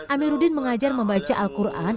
amiruddin mengajar membaca al quran